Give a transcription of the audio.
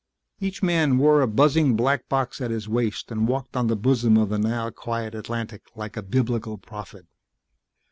Each man wore a buzzing black box at his waist and walked on the bosom of the now quiet Atlantic like a biblical prophet.